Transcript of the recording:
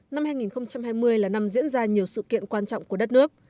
năm hai nghìn hai mươi là năm diễn ra nhiều sự kiện quan trọng của đất nước